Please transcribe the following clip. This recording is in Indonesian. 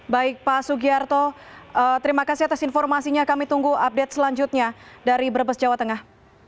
baik pak sugiarto terima kasih atas informasinya kami tunggu update selanjutnya dari brebes jawa tengah